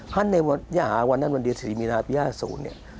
ฮันต์ในยหาวันนั้นวันเดียว๔มีนาทย์ปี๕๐